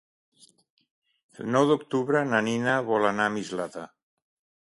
El nou d'octubre na Nina vol anar a Mislata.